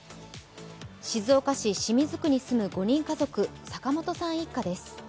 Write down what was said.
静岡市清水区に住む５人家族、坂本さん一家です。